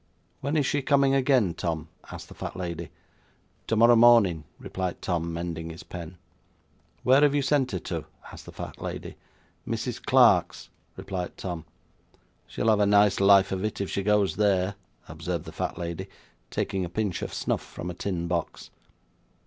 'When is she coming again, Tom?' asked the fat lady. 'Tomorrow morning,' replied Tom, mending his pen. 'Where have you sent her to?' asked the fat lady. 'Mrs. Clark's,' replied Tom. 'She'll have a nice life of it, if she goes there,' observed the fat lady, taking a pinch of snuff from a tin box.